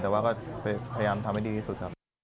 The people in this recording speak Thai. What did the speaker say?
แต่ว่าก็พยายามทำให้ดีที่สุดครับ